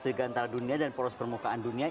digantara dunia dan poros permukaan dunia